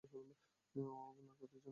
ও আপনার খাতির-যত্ন করছে তো?